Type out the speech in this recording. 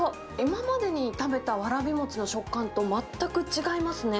今までに食べたわらび餅の食感と全く違いますね。